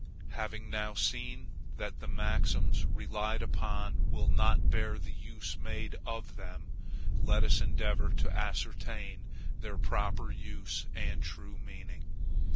Having now seen that the maxims relied upon will not bear the use made of them, let us endeavor to ascertain their proper use and true meaning.